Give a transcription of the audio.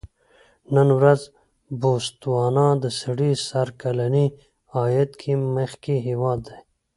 نن ورځ بوتسوانا د سړي سر کلني عاید کې مخکې هېواد دی.